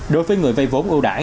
đối với người vây vốn ưu đải